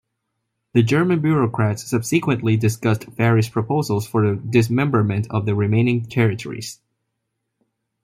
The German bureaucrats subsequently discussed various proposals for the dismemberment of the remaining territories.